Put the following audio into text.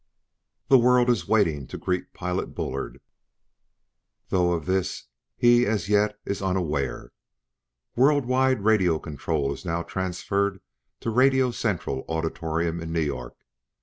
"The world is waiting to greet Pilot Bullard, though of this he, as yet, is unaware. World wide radio control is now transferred to Radio central Auditorium in New York!